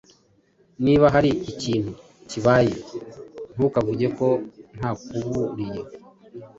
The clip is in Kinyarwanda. Niba hari ikintu kibaye, ntukavuge ko ntakuburiye.